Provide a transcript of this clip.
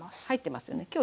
入ってますよね。